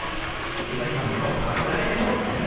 富士山でも油絵でもありません。